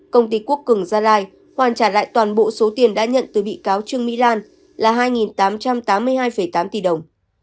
công ty quốc cường gia lai hoàn trả lại toàn bộ số tiền đã nhận từ bị cáo trương mỹ lan là hai tám trăm tám mươi hai tám tỷ đồng